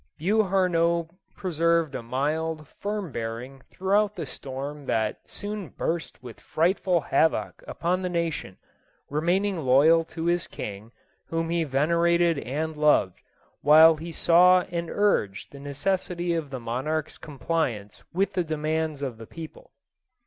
Beauharnois preserved a mild, firm 232 JOSEPHINE. bearing throughout the storm that soon burst with frightful havoc upon the nation, remaining loyal to his king, whom he venerated and loved, while he saw and urged the necessity of the monarch's compliance with the demands of the people.